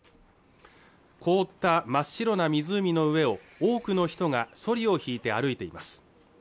凍った真っ白な湖の上を多くの人がソリを引いて歩いています